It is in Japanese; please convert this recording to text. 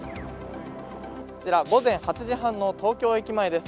こちら、午前８時半の東京駅前です。